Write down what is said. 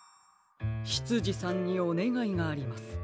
しつじさんにおねがいがあります。